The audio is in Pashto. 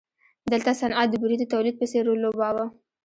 دلته صنعت د بورې د تولید په څېر رول لوباوه.